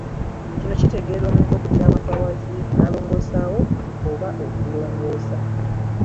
Kino kitegeeaza omuntu okuddira awantu awazifu n'alongoosaawo, oba okulongoosa.